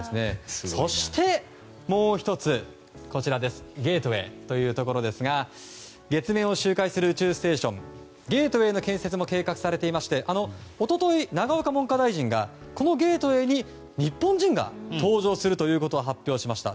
そして、もう１つ「ゲートウェー」というところですが月面を周回する「ゲートウェー」の建設も計画されていまして一昨日、永岡文科大臣が「ゲートウェー」に日本人が登場するということを発表しました。